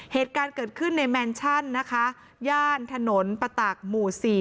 เหตุการณ์เกิดขึ้นในแมนชั่นนะคะย่านถนนประตักหมู่สี่